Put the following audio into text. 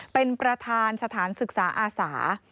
เป็นประธานสถานศึกษาอาสา